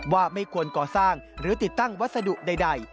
ว่าไม่ควรก่อสร้างหรือติดตั้งวัสดุใด